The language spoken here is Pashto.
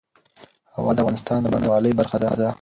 هوا د افغانستان د بڼوالۍ برخه ده.